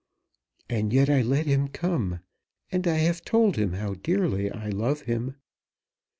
And yet I let him come, and I have told him how dearly I love him.